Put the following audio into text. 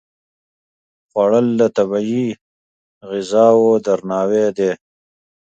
خوړل د طبیعي غذاو درناوی دی